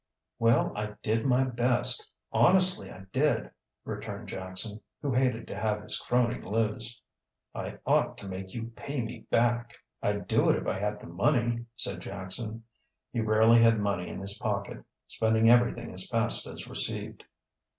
"Well, I did my best honestly I did," returned Jackson, who hated to have his crony lose. "I ought to make you pay me back." "I'd do it if I had the money," said Jackson. He rarely had money in his pocket, spending everything as fast as received.